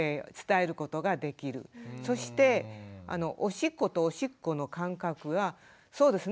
そしておしっことおしっこの間隔がそうですね